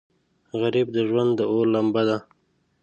غریب د ژوند د اور لمبه ده